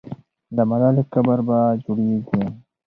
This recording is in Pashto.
د ملالۍ قبر به جوړېږي.